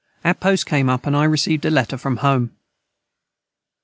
Our Post came up and I received a Letter from home.